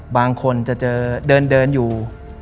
บางคนจะเจอเดินอยู่